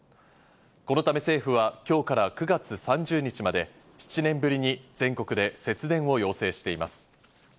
このため政府は今日から９月３０日まで７年ぶりに全国で節電を要請しています。